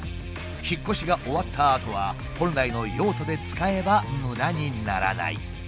引っ越しが終わったあとは本来の用途で使えば無駄にならない。